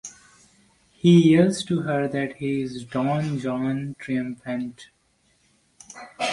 He yells to her that he is "Don Juan triumphant".